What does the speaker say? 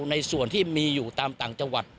ในส่วนที่มีอยู่ตามต่างจังหวัด